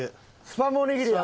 スパムおにぎりや。